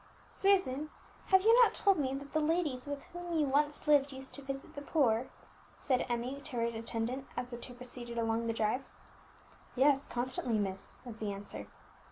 "Susan, have you not told me that the ladies with whom you once lived used to visit the poor?" said Emmie to her attendant as the two proceeded along the drive. "Yes, constantly, miss," was the answer.